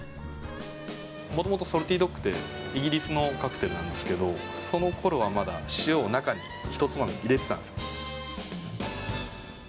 もともとソルティドッグってイギリスのカクテルなんですけどそのころはまだ塩を中にひとつまみ入れてたんですよ。